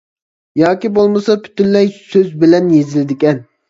ياكى بولمىسا پۈتۈنلەي سۆز بىلەن يېزىلىدىكەن.